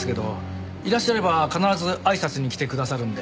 いらっしゃれば必ずあいさつに来てくださるんで。